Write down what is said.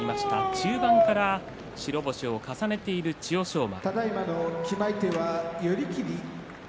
中盤から白星を重ねている千代翔馬。